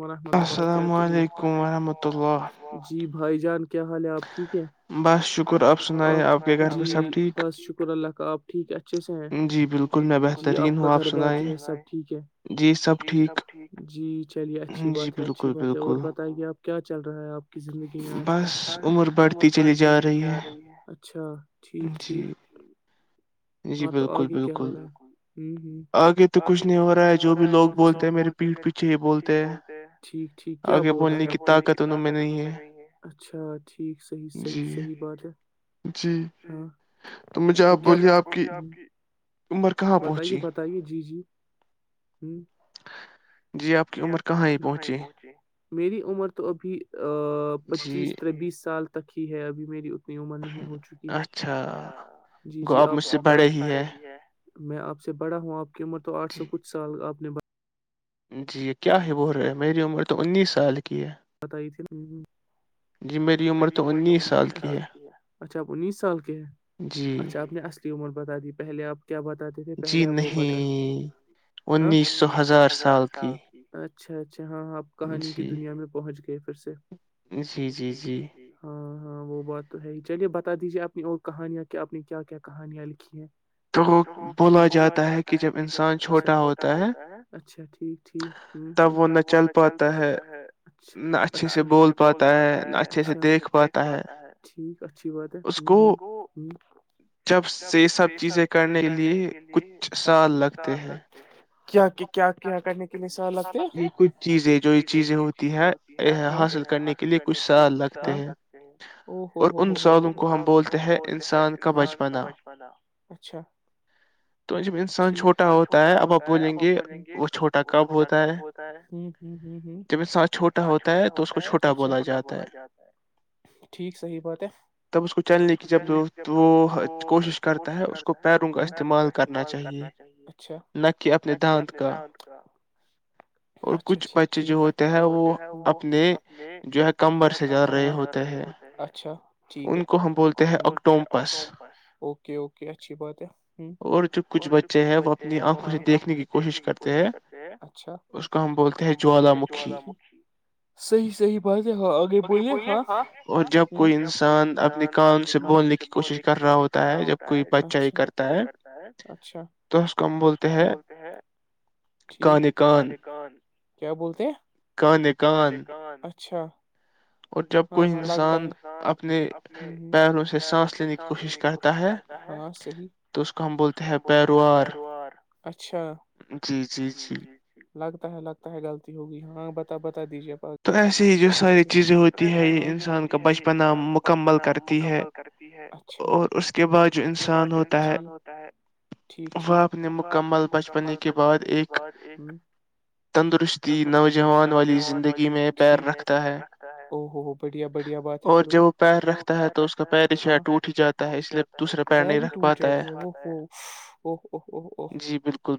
ورحمۃ اللہ وبرکاتہ سلام علیکم ورحمتللہ جی بھائی جان کیا حال ہے آپ ٹھیک ہے بس شکر اپ سنائیں بس شکر اللہ کا آپ ٹھیک اچھے سے ہیں جی آپ کا گھر بار جو ہے سب ٹھیک ہے جی سب ٹھیک جی چے اچھی بات ہے اچھی بات ہے اور بتائیے آپ کیا چل رہا ہے آپ کی زندگی میں آج کل عمر بڑتی چلی جا رہی ہے اچھا ٹھیک ٹھیک ہاں تو آگے کیا ہو رہا ہے ہوں ہوں آگے تو کچھ نہیں ہو رہا ہے جو بھی لوگ بولتے ہیں میرے پیٹھ پیچھے ہی بولتے ہیں ٹھیک ٹھیک کیا بول رہے ہیں آگے بولنے کی طاقت ان میں نہیں ہے اچھا ٹھیک صحیح صحیح صحیح بات ہے ہاں تو کیا آپ بتائیے بتائیے جی جی ہوں جی آپ کی عمر کہاں آئی پہنچی میری عمر تو ابھی پچیس تربیس سال تک ہی ہے ابھی میری اتنی عمر نہیں ہو چکی ہے اچھا جی جی آپ میں آپ سے بڑا ہوں آپ کی عمر تو آٹھ سے کچھ سال آپ نے جی کیا ہے وہ رہ ہے میری عمر تو انیس سال کی ہے بتائی تھی یہ میری عمر تو انیس سال کی ہے اچھا آپ انیس سال کے ہیں اچھا آپ نے عمر بتا دی پہلے آپ کیا بتاتے تھے پہلے آپ وہ بتاتے ہاں انیس سو ہزار سال کی اچھا اچھا ہاں آپ کہانی کی دنیا میں پچ گئے پھر سے جی جی جی ہاں ہاں وہ بات تو ہے ہی چلیے بتا دیجیے اپنی اور کہانیاں کیا آپ نے کیا کیا کہانیاں لکھی ہیں تو بولا جاتا ہے کہ جب انسان چھوٹا ہوتا ہے اچھا ٹھیک ہوں ہوں تب وہ نہ چل پاتا ہے اچھا اچھا نہ اچھے سے بول پاتا ہے نہ اچھے سے دیکھ پاتا ہے ٹھیک اچھی بات ہے اس کو ہوں جب سے سب چیزیں کرنے کے لیے اچھا سال لگ کیا کیا کیا کرنے کے لیے سال لگتے ہیں یہ کچھ چیز ہے جو چیزیں ہوتی ہے حاصل کرنے کے لیے کچھ سال لگتے ہیں سال لگتے ہیں او ہو ہو ہو کو ہم بولتے ہیں انسان کا بچپنا اچھا جی انسان چھوٹا ہوتا بولیں گے وہ چھوٹا کب ہوتا ہے ہوں ہوں ہوں ہوں تو سات چھوٹ سات چھوٹا ہوتا ہے تو اس لیے چھوٹا بولا جاتا ہے ٹھیک صحیح بات ہے تب اس کو چلنے کی جب وہ کوشش کرتا ہے اس کو پیروں کا استعمال کرنا اچھا نت کی اپنے دانت کا اچھا ٹھیک ٹھیک جو ہے وہ اپنے جو ہے کم برے کر رہے ہوتے ہیں اچھا ان کو ہم بولتے ہیں اکٹومپس اوکے اوکے اچھی بات ہے ہوں اور جو کچھ بچے ہیں ہاں آنکھوں سے دیکھنے کی کوشش کرتے ہیں اچھا اس کو ہم بولتے ہیں جوالا مکھی صحیح صحیح بات ہے ہاں آگے بولیے ہاں بے ہاں جب کوئی انسان اپنے کام سے بولنے کی کوشش کر رہا ہوتا ہے جب کوئی بچہ یہ کرتا ہے اچھا تو اس کو ہم بولتے ہیں [inaudible] ٹھیک کانے کان کیا بولتے ہیں کانے کان اچھا ہاں ہاں انسان اپنے پیروں سے سانس لینے کی کوشش کرتا تا ہے ہاں صحیح تو اس کو ہم بولتے ہیں پیروار اچھا جی جی جی لگتا ہے لگتا ہے غلطی ہوگئی ہاں بتا بتا دیجیے تو ایسے ہی جو ساری چیزیں ہوتی ہے یہ انسان کا بچپنا مکمل کرتی ہے اور اس کے بعد جو انسان ہوتا ہے وہ اپنے مکمل بچپنے کے بعد ایک تندرستی نوجوان والی زندگی میں پیر رکھت پیر رکھتا ہے ا ہو بڑھیا بڑھیا بات ہے پھر وہ اور جب پیر رکھتا ہے تواں پیر ٹوٹ ہی جاتا ہے پر ہی ٹوٹ جائے اف اف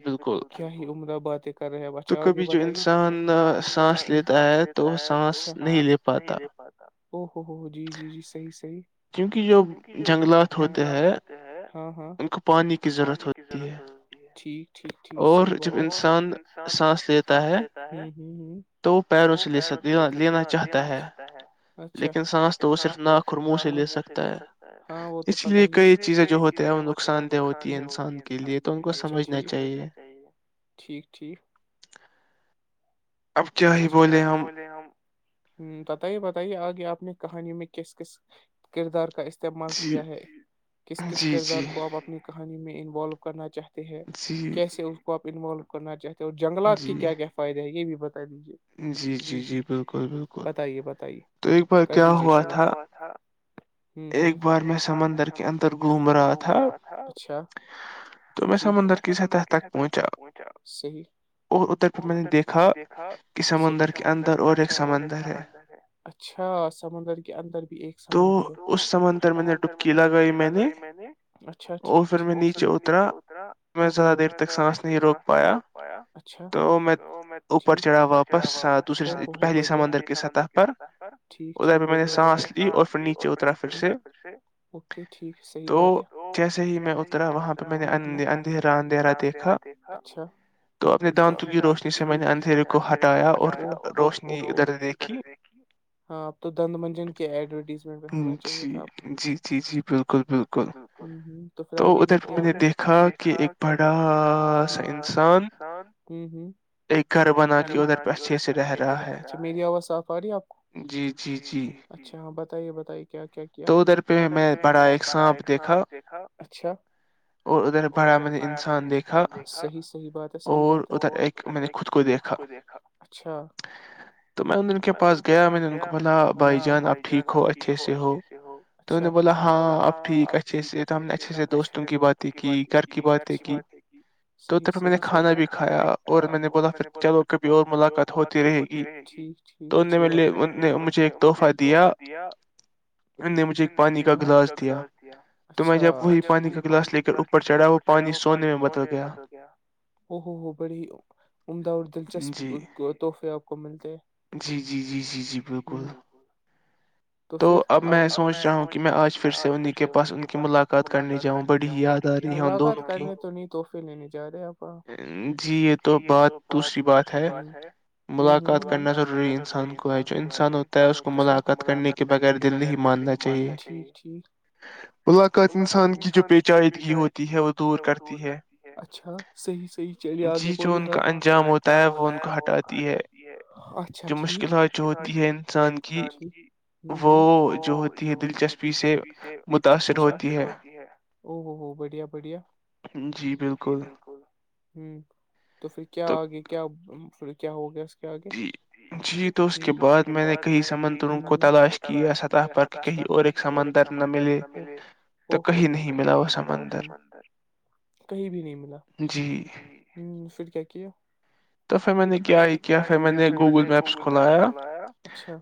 جی بالکل کیا ہی عمدہ باتیں کر رہے ہیں اب اچھا آگے بتائیے ابھی جو انسان تا تو سان اچھا نہیں لے پاتا ا ہو ہو جی جی جی صحیح صحیح کیونکہ جو جنگلات ہوتے ہیں ان کو پانی کی ضرورت ہو ٹھیک ٹھیک ٹھیک صحیح بات ہے اور جب انسان سانس لیتا ہے تو وہ پیروں سے لے سکتے اس لیے سبزی لینا چاہتا ہے اچھا لیکن سانس تو صرف نا اور منہ سے لے سکتا ہے ہاں وہ تو پت ہی اس لیے کئی چیزیں جو ہوتےتا ہیں وہ نقصان دہ ہوتی ہے انسان اچھا ٹھیک ہے ٹھیک ٹھیک اچھا اب کیا ہی بولے ہم ہ بتائیے بتائیے آگے آپ نے کہانیوں میں کس کس کردار کا استعمال کیا ہے کس کس کردار کو آپ اپنی کہانی میں انوالو کرنا چاہتے کیسے اس کو آپ انوالو کرنا چاہتے ہیں اور جنگلات کے کیا کیا فائدے ہیں یہ بھی بتا دیجیے جی جی جی جی بک بتائیے بتائیے کر دیجے شر ہوا تھا ہمم ہمم ایک بار میں سمندر کے اندر گھوم رہا تھا اچھا جی میں سمندر کی سطح تک پہنچای اور اتر میں نے دیکھا ہاں صحیح سمندر کے اندر اور ایک سمندر ہے اچھا سمندر کے اندر بھی ایک سمندر ہے تو اس سمندر میں نے ڈبکی لگائی میں نے اچھا ٹھیک ٹھیک میں نیچے اترا میں زیادہ دیر تک سانس نہیں روک پایا اچھا تو میں ٹھیک اوپر چڑا واپس ست بڑھیا پہلے سمندر کی سطح پر ٹھیک ٹھیک بڑھیا ای اور فنیچر نیچے اترا پھر سے اوکے ٹھیک ہے صحیح بات ہے وہ جسا ہی میں وہاں پہ میں نے اندھیرا اندھیرا دیکھا تو اپنے دانتوں کی روشنی جس سے میں نے اندھیرے کو ہٹایا اور روشنی ادھر دیکھی ہاں اب تو دنت منجن کے ایڈورٹیز ہونا چاہے تھا جی جی جی بالکل بالکل تو پھر آگے کیا کیا آپ نے میں نے دیکھا کہ ایک بڑا سا انسان ایک گھر بنا کے ادھر اچھے سے رہ رہا ہےجی میری آواز صاف آ رہی ہے آپ کو جی ٹھیک جی اچھا ہاں بتائیے بتائیے کیا کیا کیا آپ نے ادھر پہ میں بڑا ایک سانپ دیکھا اچھا اور ادھر پایا میں نے انسان دیکھا صحیح صحیح بات ہے صحیح بات ہے اور ادھر ایک میں نے خود کو دیکھا اچھا تو میں ان ان کے پاس گیا میں نے ان کو بو بھائی جان آپ ٹھیک ہو اچھے سے ہو اچھا تو نے بولا ہاں اب ٹھیک اچھے سے اچھے سے دوست وں کی باتیں کی گھر کی باتیں کی صحیح صحیح صحیح تو تب میں نے کھانا بھی کھایا تو بولا پھر چلو کبھی اور ملاقات ہوتی رہے گی تو انھوں نے میرے لیے انھوں نے مجھے ایک تحفہ دیا تحفہ دیا [inaudible] انھوں نے مجھے ایک پانی کا گلاس دیا اچھا میں جب پوری پانی کا گلاس لے کر اوپر چڑھا وہ پانی سونے میں بدل گیا وہو ہو ہو بڑی ا عمدہ اور دلچسپ ا تحفے آپ کو ملتے ہیں جی جی جی جی بالکل تو پھر آگے کیا اب میں سوچ رہا ہوں کہ میں آج پھر سے انہیں کے پاس ان کی ملاقات کرنے جاؤں بٹ ملاقات کرنے تو نہیں تحفے لینے جا رہے آپ جی یہ تو بات دوسری بات ہے وں ہوں ہوں ملاقات کرنا ضروری ہے انسان کو ہے جو انسان اچھا ہوتا ہے اس کو مزہ آتا ہے کرنے کے بغیر دل نہیں ماننا چاہیے ٹھیک ٹھیک ملاقات انسان کی جو پیچائیدگی ہوتی ہے وہ دور کرتی ہے اچھا صحیح صحیح چلیے آگے بولیں ان کا انجام ہوتا ہے وہ ان کو ہٹاتی ہے اچھا ٹھیک جو مشکلات جو ہوتی ہے انسان کی ہوں ہوں وہ جو ہوتی ہے دلچسپی سے متاثر ہوتی ہے او ہو ہو بڑھیا بڑھیا جی بالکل ہوں تو پھر کیا آگے کیا پھر کیا ہو گیا اس کے آگے جی تو اس کے بعد میں نے کئی سمندروں کو تلاش کیا ہے اچھا کہیں اور ایک سمندر نہ ملے او ہو ہو کہیں نہیں ملا وہ سمندر کہیں بھی نہیں ملا جی ہوں پھر کیا کیا تو پھر میں نے کیا ہی کیاہے میں نے گوگل میپس کھلایا اچھا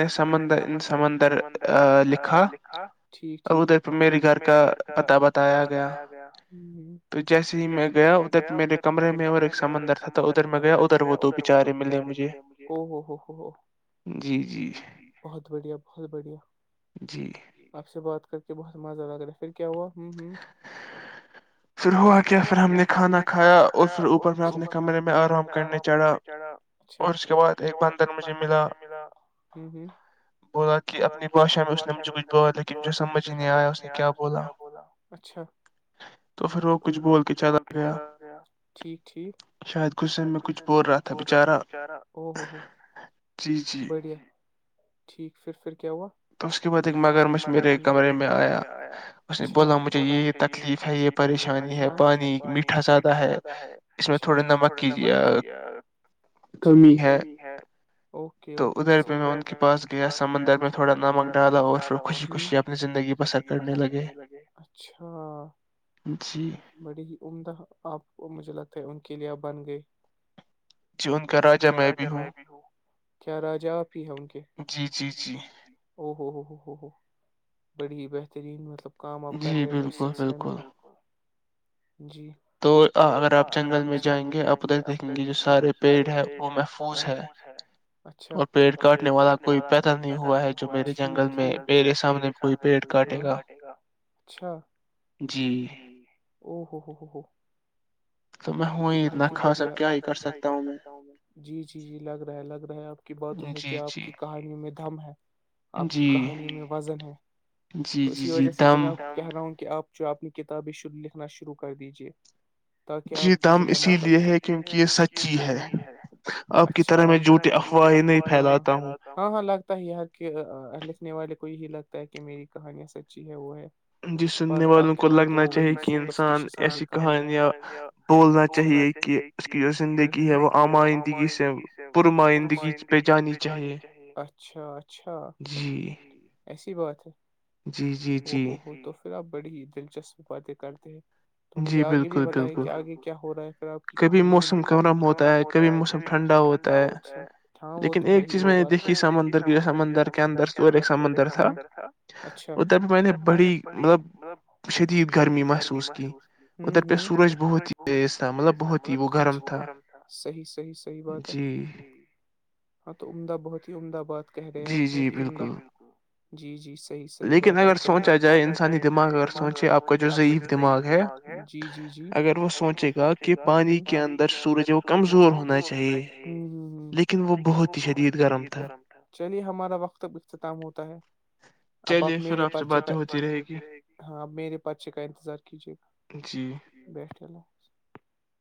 جب میں نے سمندر سمندر ا لکھا ٹھیک ٹھیک اب ادھر پہ میرے گھر کا پتہ بتایا گیا جیسے ہی میں گیا ادھر میرے کمرے میں اور ایک سم اندر تھا تو ادھر مرگیا ادھر وہ تو بیچارے ملے مجھےاو ہو ہو ہو ہو جی جی بہت بڑھیا بہت بڑھیا جی آپ سے بات کر کے بہت مزہ لگ رہا ہے پھر کیا ہوا ہوں ہوں پھر ہوا کیا پھر ہم نے کھانا کھایا کچھ اوپر سے اپنے کمرے میں آرام کرنے چڑھا اچھا اور اس کے بعد ایک بندہ مجھے ملا ہوں ہوں بولا کی اپنی بھشا میں اس نے مجھے کچھ بولا لیکن مجھے سمجھ نہیں آیا اس نے کیا بولا اچھا تو پھر وہ کچھ بول کے چلا گیا ٹھیک ٹھیک شاید غصے میں کچھ بول رہا تھا بیچارا ہو ہو جی جی بڑھیا ٹھیک پھر پھر کیا ہوا اس کے بعد ایک مگر مچھ میرے کمرے میں آیا بولا مجھے یہ تکلیف ہے یہ پریشانی ہے پانی میٹھا سا اچھا اس تھوڑا نمک کی کمی ہے اوکے اوکے ان کے پاس گیا سمندر میں تھوڑا نمک ڈالا اور زندگی بسر کرنے لگے اچھا جی جی بڑی ہی عمدہ آپ مجھے لگتا ہے ان کے لیئے آپ بن گئے کہ ان کا راجہ میں بھی ہوں کیا راجا اپ ہی ہیں ان کے جی جی جی او ہو ہو ہو ہو ہو بڑی ہی بہترین مطلب کام آپ کر رہے ہیں اس سلسلے میں جی تو اگر آپ جنگل میں جائیں گے آپ ادھر دیکھیں گے جو سارے پیڑ ہے وہ محفوظ ہے اچھا اور پیڑ کاٹنے والا کوئی پیدا نہیں ہوا ہے کہ میرے جنگل میں سامنے کوئی پیڑ کاٹے گا اچھا جی او ہو ہو ہو ہو میں ہوں ہی اتناخاصا کیا ہی کرسکتا ہوں میں جی جی جی لگ رہا ہے لگ رہا اب باتوں سے کیا آپ کی کہانی میں دھم ہے آپ کی کہانی میں وزن ہے تو اسی وجہ سے تم کہ رہا ہوں کہ آپ جو اپنی کتابیں لکھنا شروع کر دیجیے تاکہ آپ اسی لیے ہے کیونکہ یہ سچی ہے اچھا اپ کی طرح میں جھوٹے افوایں نہیں پہلاتا ہاں ہاں لگتا ہے یار کہ لکھنے والے کو یہی لگتا ہے کہ میری کہانیا سچی ہے وہ ہے پر وہی سوپر اسٹیشیس والی کہانیاں بولنا چاہیے کہ اس کی جو زندگی ہے وہ آمائندگی سے پرمائندگ زندگی پہ جانی چاہیے اچھا اچھا ایسی بات ہے ا ہو ہو تو بڑی دلچسپ باتیں کرتے ہیں تو مجھے آگے بھی بتایا کہ آگے کیا ہو رہا ہے پھر آپ کی کہانی کبھی موسم گرم ہوتا ہے کبھی موسم ٹھنڈا ہوتا ہے ہاں وہ تو ہے ہی وہ دیکھی سمندر سمندر کیا اندر س ایک سمندر تھا اچھا ا تب میں نے بڑی مطلب شدید گرمی محسوس ہوں ہوں پہ سورج بہت تھا مطلب بہت گرم تھا صحیح صحیحی بات ہے جی ہاں تو عمدہ بہت ہی عمدہ بات کہہ رہے آپ بہت ہی عمدہ جی جی صحیح صحیح بات آ اگر سوچا جائے انسانی دماغ اگر سوچے آپ کا جو ضعیید دماغ ہے جی جی جی اگر سوچے گا کہ پانی کے اندر سورج کمزور ہونا چاہیے لیکن وہ بہت ہی شدید گرم تھا چلیے ہمارا وقت اب اختتام ہوتا ہے اب آپ میرے پرچے کااد ہوتی رہے گی ہاں ا میرے پرچے کا انتظار کیجیے گا جی [unintelligible]